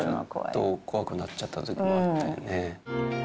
ちょっと怖くなっちゃったときもあったよね。